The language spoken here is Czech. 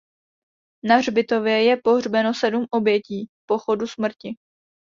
Na hřbitově je pohřbeno sedm obětí pochodu smrti.